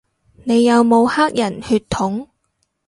你有冇黑人血統